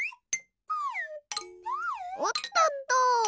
おっとっと！